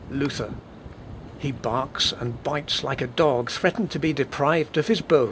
Luther. "He barks and bites like a dog threatened to be deprived of his bone."